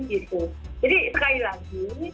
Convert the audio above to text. jadi sekali lagi